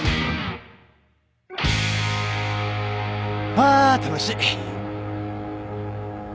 あ楽しい。